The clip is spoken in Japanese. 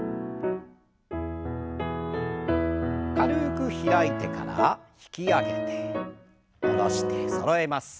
軽く開いてから引き上げて下ろしてそろえます。